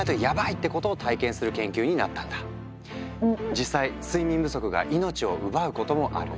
実際睡眠不足が命を奪うこともある。